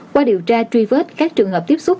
qua điều tra truy vết các trường hợp tiếp xúc